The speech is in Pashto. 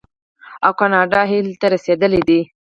او کاناډا دې هیلې ته رسیدلې ده.